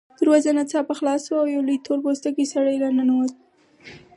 دروازه ناڅاپه خلاصه شوه او یو لوی تور پوستکی سړی راننوت